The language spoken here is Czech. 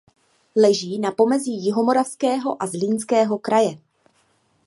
Leží na pomezí Jihomoravského a Zlínského kraje.